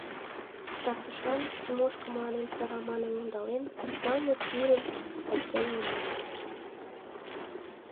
Ситартышлан, Тимошка мыланем сыра манын ондален, налме пӱрым йӱктен улмаш.